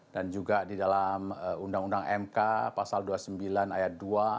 dan juga di dalam undang undang mk pasal dua puluh sembilan ayat dua